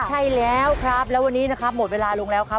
ใช่แล้วครับแล้ววันนี้นะครับหมดเวลาลงแล้วครับ